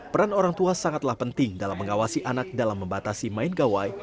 peran orang tua sangatlah penting dalam mengawasi anak dalam membatasi main gawai